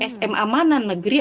sma mana negeri